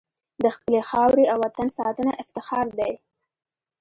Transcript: د خپلې خاورې او وطن ساتنه افتخار دی.